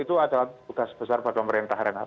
itu adalah tugas besar pada pemerintah renat